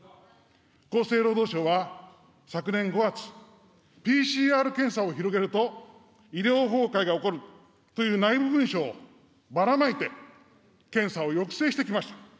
厚生労働省は昨年５月、ＰＣＲ検査を広げると、医療崩壊が起こるという内部文書をばらまいて、検査を抑制してきました。